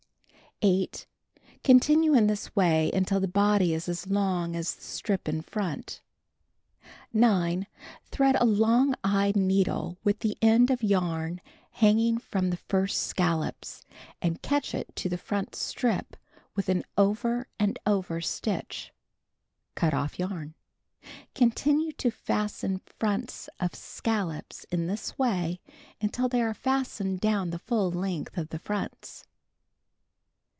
8. Continue in this way until the body is as long as the strip in front. 9. Thread a long eyed needle with the end of yarn hanging from the first scallops, and catch it to the front strip with an over and over stitch. Cut off yarn. Continue to fasten fronts to scallops in this way until they arc fastened down the full length of the fronts.